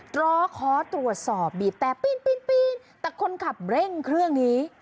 รอขอตรวจสอบบีบแต่ปีนแต่คนขับเร่งเครื่องนี้